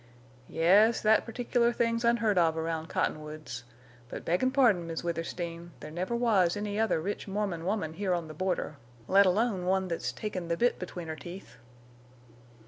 "Yes, thet particular thing's onheard of around Cottonwoods. But, beggin' pardon, Miss Withersteen, there never was any other rich Mormon woman here on the border, let alone one thet's taken the bit between her teeth."